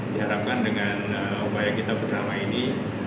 diharapkan dengan upaya kita bersama ini